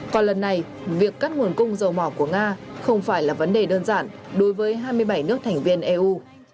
còn lần này việc cắt nguồn cung dầu mỏ của nga không phải là vấn đề đơn giản đối với hai mươi bảy nước thành viên eu